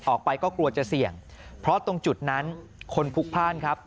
ออกไปก็กลัวจะเสี่ยงเพราะตรงจุดนั้นคนพลุกพ่านครับ